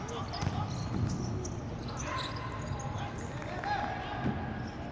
สวัสดีครับทุกคน